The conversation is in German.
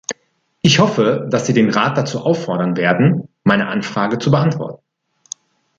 Ich hoffe, dass Sie den Rat dazu auffordern werden, meine Anfrage zu beantworten.